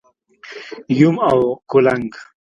🪏 یوم او کولنګ⛏️